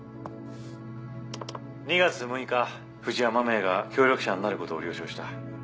２月６日藤山メイが協力者になることを了承した。